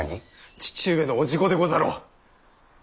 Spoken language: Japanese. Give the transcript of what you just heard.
父上の伯父御でござろう。